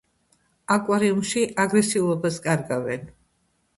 აკვარიუმში აგრესიულობას კარგავენ.